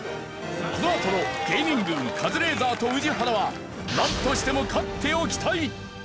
このあとの芸人軍カズレーザーと宇治原はなんとしても勝っておきたい！